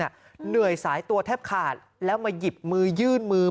เหนื่อยสายตัวแทบขาดแล้วมาหยิบมือยื่นมือ